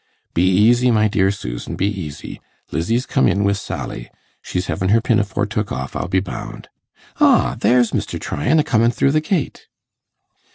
'Be easy, my dear Susan, be easy; Lizzie's come in wi' Sally. She's hevin' her pinafore took off, I'll be bound. Ah! there's Mr. Tryan a comin' through the gate.